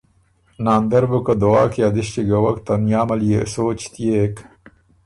ناندر بُو که دعا کی ا دِس چګوک تنیامه ليې سوچ تيېک